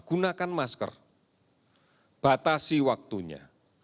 gunakan masker batasi waktunya